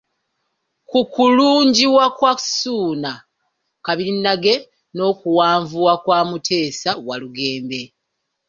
Ku kulungiwa kwa Ssuuna Kabirinnage n'okuwanvuwa kwa Mutesa Walugembe.